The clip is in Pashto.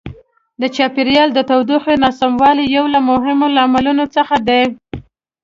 د چاپیریال د تودوخې ناسموالی یو له مهمو لاملونو څخه دی.